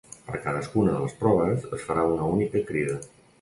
Per a cadascuna de les proves es farà una única crida.